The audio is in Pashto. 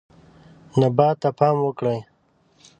نبات ته پام وکړه.